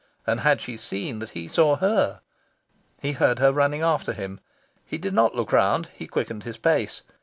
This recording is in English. And had she seen that he saw her? He heard her running after him. He did not look round, he quickened his pace.